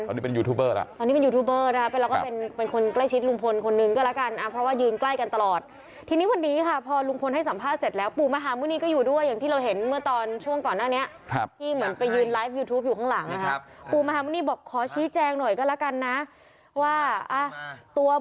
อันนี้เป็นยูทูบเบอร์แล้วตอนนี้เป็นยูทูบเบอร์นะคะเป็นแล้วก็เป็นเป็นคนใกล้ชิดลุงพลคนหนึ่งก็แล้วกันเพราะว่ายืนใกล้กันตลอดทีนี้วันนี้ค่ะพอลุงพลให้สัมภาษณ์เสร็จแล้วปู่มหาหมุณีก็อยู่ด้วยอย่างที่เราเห็นเมื่อตอนช่วงก่อนหน้านี้ครับที่เหมือนไปยืนไลฟ์ยูทูปอยู่ข้างหลังนะครับปู่มหาหมุณีบอกขอชี้แจงหน่อยก็แล้วกันนะว่าตัว